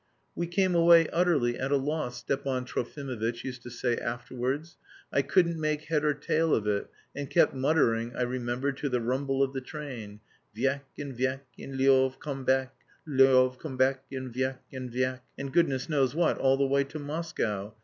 "We came away utterly at a loss," Stepan Trofimovitch used to say afterwards. "I couldn't make head or tail of it, and kept muttering, I remember, to the rumble of the train: 'Vyek, and vyek, and Lyov Kambek, Lyov Kambek and vyek, and vyek.' and goodness knows what, all the way to Moscow.